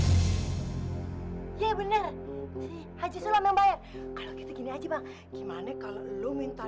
hai ye bener haji sulam yang bayar kalau gitu gini aja bang gimana kalau lu minta